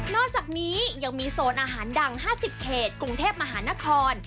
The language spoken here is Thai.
อกจากนี้ยังมีโซนอาหารดัง๕๐เขตกรุงเทพมหานคร